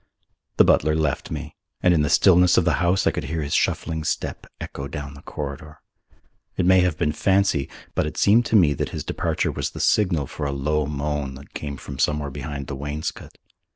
The butler left me, and in the stillness of the house I could hear his shuffling step echo down the corridor. It may have been fancy, but it seemed to me that his departure was the signal for a low moan that came from somewhere behind the wainscot.